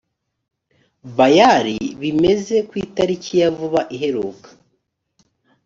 bayari bimeze ku itariki ya vuba iheruka